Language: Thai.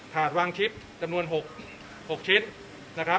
ถาดวางชิปจำนวน๖ชิ้น